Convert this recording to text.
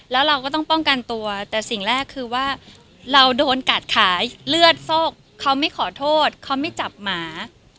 แล้วเราก็ต้องป้องกันตัวแต่สิ่งแรกคือว่าเราโดนกัดขาเลือดโซกเขาไม่ขอโทษเขาไม่จับหมา